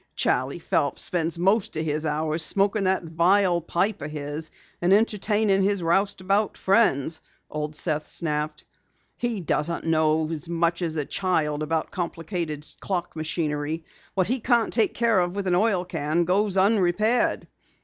"Charley Phelps spends most of his hours smoking that vile pipe of his and entertaining his roustabout friends," Old Seth snapped. "He doesn't know as much as a child about complicated clock machinery. What he can't take care of with an oil can goes unrepaired!"